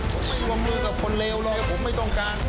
ผมไม่วงมือกับคนเลวเลยผมไม่ต้องการ